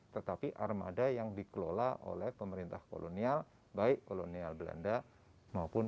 tetapi armada yang dikelola oleh pemerintah kolonial baik kolonial belanda maupun